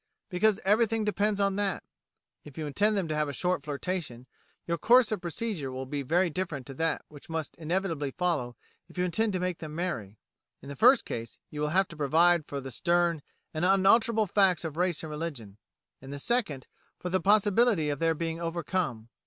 Because everything depends on that. If you intend them to have a short flirtation, your course of procedure will be very different to that which must inevitably follow if you intend to make them marry. In the first case, you will have to provide for the stern and unalterable facts of race and religion; in the second, for the possibility of their being overcome.